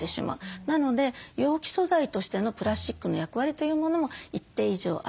なので容器素材としてのプラスチックの役割というものも一定以上ある。